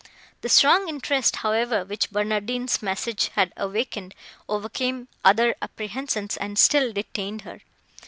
The strong interest, however, which Barnardine's message had awakened, overcame other apprehensions, and still detained her.